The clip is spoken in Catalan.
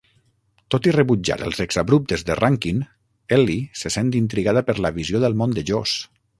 Tot i rebutjar els exabruptes de Rankin, Ellie se sent intrigada per la visió del món de Joss.